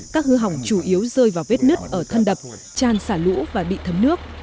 các hư hỏng chủ yếu rơi vào vết nứt ở thân đập tràn xả lũ và bị thấm nước